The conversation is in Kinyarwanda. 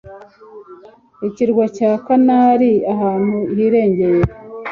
Ikirwa cya Canary ahantu hirengeye,